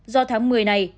do tháng một mươi này